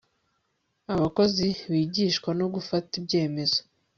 abakozi bigishwa no gufata ibyemezo